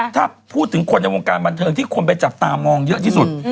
ถ้าพูดถึงคนในวงการบันเทิงที่คนไปจับตามองเยอะที่สุด